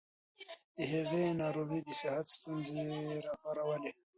د هغې ناروغي د صحت ستونزې راوپارولې.